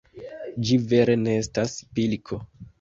Ĝi vere ne estas pilko.